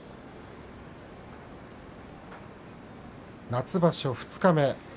夏場所二日目。